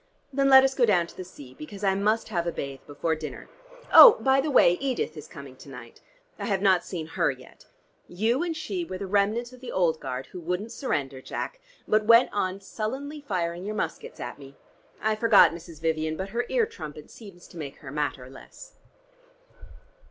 Then let us go down to the sea, because I must have a bathe before dinner. Oh, by the way, Edith is coming to night. I have not seen her yet. You and she were the remnant of the old guard who wouldn't surrender, Jack, but went on sullenly firing your muskets at me. I forgot Mrs. Vivian, but her ear trumpet seems to make her matter less."